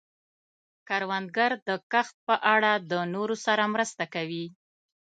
کروندګر د کښت په اړه د نورو سره مرسته کوي